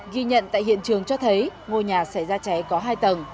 ghi nhận tại hiện trường cho thấy ngôi nhà xảy ra cháy có hai tầng